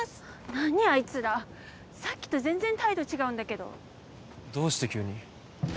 何あいつらさっきと全然態度違うんだけどどうして急に？